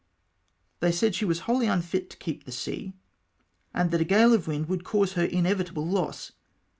They said she was wholly unfit to keep the sea, and that a gale of wind would cause her inevitable loss.